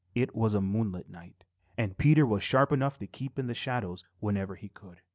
It was a moonlight night, and Peter was sharp enough to keep in the shadows whenever he could.